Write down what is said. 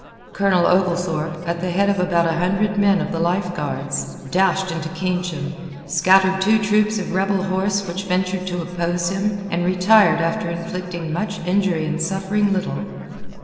Colonel Oglethorpe, at the head of about a hundred men of the Life Guards, dashed into Keynsham, scattered two troops of rebel horse which ventured to oppose him, and retired after inflicting much injury and suffering little.